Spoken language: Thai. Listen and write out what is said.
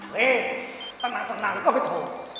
เฮ้ตั้งนานสักนานแล้วก็ไม่โทร